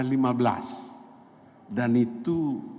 dan itu berarti